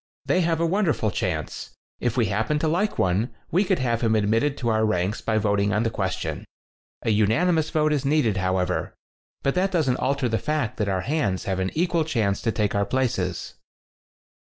They have a wonderful chance. If we happen to like one, we could have him admitted to our ranks by voting" on the ques tion. A unanimous vote is needed, however. But that doesn't alter the fact that our hands have an equal chance to take our places."